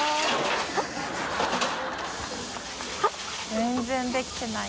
全然できてない。